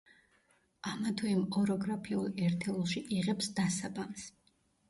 ამა თუ იმ ოროგრაფიულ ერთეულში იღებს დასაბამს.